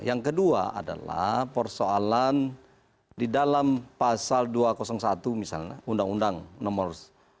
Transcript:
yang kedua adalah persoalan di dalam pasal dua ratus satu misalnya undang undang nomor sepuluh dua ribu enam belas